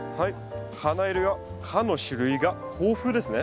花色や葉の種類が豊富ですね。